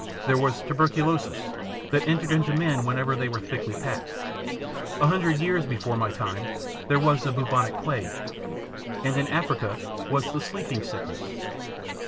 There was tuberculosis, that entered into men wherever they were thickly packed. A hundred years before my time there was the bubonic plague. And in Africa was the sleeping sickness.